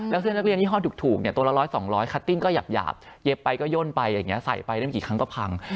แล้วเสื้อนักเรียนยี่ห้อถูกเนี่ยตัวละร้อยสองร้อยคัตติ้งก็หยาบเย็บไปก็โย่นไปเนี่ยใส่ไปได้ไม่กี่ครั้งก็พัง